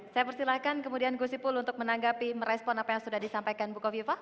saya persilahkan kemudian gusipul untuk menanggapi merespon apa yang sudah disampaikan bukofifah